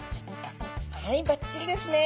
はいバッチリですね！